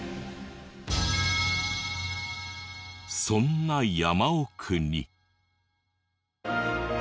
そんな山奥に。